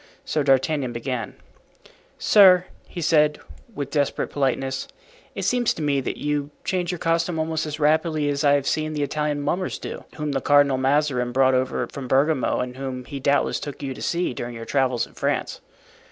So D'Artagnan began: "Sir," he said, with desperate politeness, "it seems to me that you change your costume almost as rapidly as I have seen the Italian mummers do, whom the Cardinal Mazarin brought over from Bergamo and whom he doubtless took you to see during your travels in France."